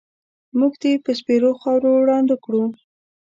مونږ دې په سپېرو خاورو ړانده کړو